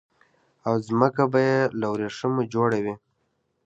او ځمکه به يي له وريښمو جوړه وي